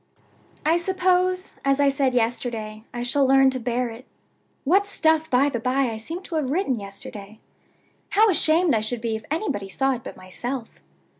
"I suppose, as I said yesterday, I shall learn to bear it. (What stuff, by the by, I seem to have written yesterday! How ashamed I should be if anybody saw it but myself!)